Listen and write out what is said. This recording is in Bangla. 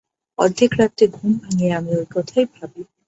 অর্ধেক রাত্রে ঘুম ভাঙিয়া আমি ঐ কথাই ভাবি।